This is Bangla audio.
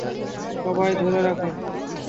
সবাই ধরে রাখো।